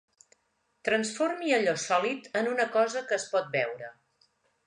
Transformi allò sòlid en una cosa que es pot beure.